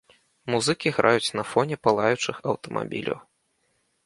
Музыкі граюць на фоне палаючых аўтамабіляў.